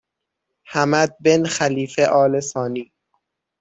حمد بن خلیفه آل ثانی